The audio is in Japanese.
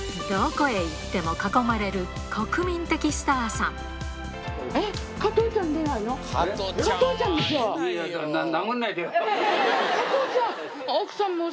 どこへ行っても囲まれる国民的スターさん。